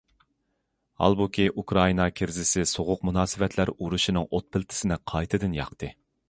ھالبۇكى، ئۇكرائىنا كىرىزىسى سوغۇق مۇناسىۋەتلەر ئۇرۇشىنىڭ ئوت پىلتىسىنى قايتىدىن ياقتى.